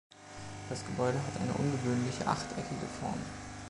Das Gebäude hat eine ungewöhnliche achteckige Form.